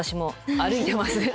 歩いてます。